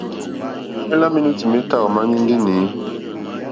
Liomè la menuti nà meta òma ŋgɛŋgi inèi.